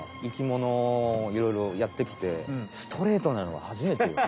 生きものをいろいろやってきてストレートなのははじめて。